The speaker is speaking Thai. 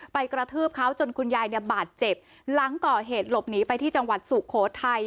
กระทืบเขาจนคุณยายเนี่ยบาดเจ็บหลังก่อเหตุหลบหนีไปที่จังหวัดสุโขทัย